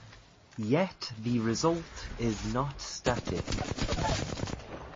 Yet the result is not static.